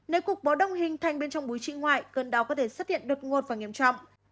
nếu cục báo đông hình thành bên trong búi trĩ ngoại cơn đau có thể xuất hiện được ngột và nghiêm trọng